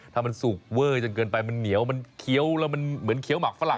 ถ้ามันสุกเวอร์จนเกินไปมันเหนียวมันเหมือนเขียวหมักฝรั่ง